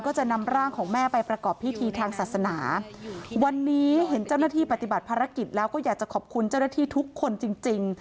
ก็จะนำร่างของแม่ไปประกอบพิธีทางศาสนาวันนี้เห็นเจ้าหน้าที่ปฏิบัติภารกิจแล้วก็อยากจะขอบคุณเจ้าหน้าที่ทุกคนจริงจริง